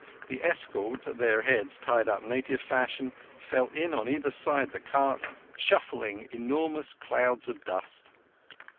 The escort, their heads tied up native fashion, fell in on either side the cart, shuffling enormous clouds of dust.